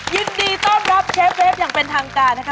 ยินดีต้อนรับเชฟเวฟอย่างเป็นทางการนะคะ